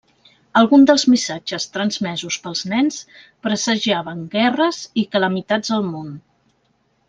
Alguns dels missatges transmesos pels nens presagiaven guerres i calamitats al món.